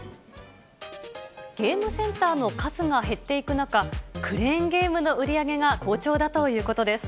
ゲームセンターの数が減っていく中、クレーンゲームの売り上げが好調だということです。